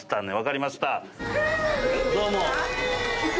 どうも。